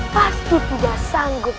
pasti tidak sanggup